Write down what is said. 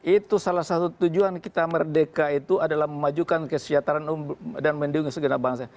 itu salah satu tujuan kita merdeka itu adalah memajukan kesejahteraan dan melindungi segenap bangsa